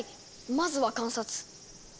まずは観察。